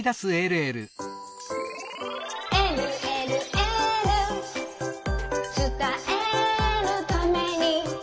「えるえるエール」「つたえるために」